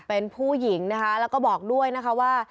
เป็นผู้หญิงนะคะแล้วก็บอกด้วยนะคะว่า